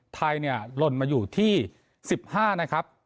ไทยเนี่ยหล่นมาอยู่ที่๑๕นะครับ